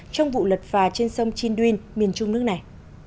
trong vụ lật phà trên sông chinh duyên miền trung nước này